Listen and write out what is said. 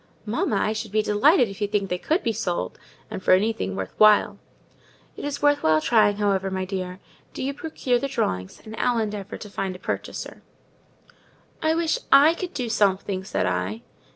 "Mamma, I should be delighted if you think they could be sold; and for anything worth while." "It's worth while trying, however, my dear: do you procure the drawings, and I'll endeavour to find a purchaser." "I wish I could do something," said I.